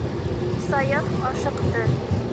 Саяф ашыҡты.